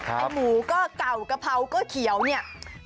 ไอ้หมูก็เก่ากะเพราก็เขียวเนี่ย